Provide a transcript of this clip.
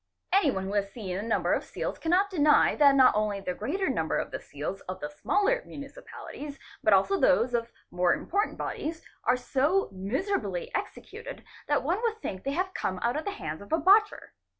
Anyone who has seen a number of seals cannot deny that not only the greater number of the seals of the smaller municipalities but also those of more important § bodies are so miserably executed that one would think they have come — out of the hands of a botcher.